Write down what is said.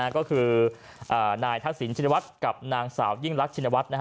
ก็คือนายทักษิณชินวัฒน์กับนางสาวยิ่งรักชินวัฒน์